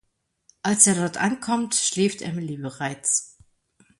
Als er dort ankommt, schläft Emily bereits.